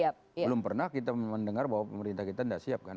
belum pernah kita mendengar bahwa pemerintah kita tidak siap kan